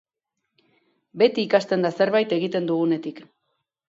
Beti ikasten da zerbait egiten dugunetik.